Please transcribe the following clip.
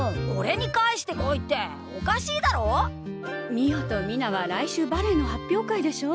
美音と美奈は来週バレエの発表会でしょ。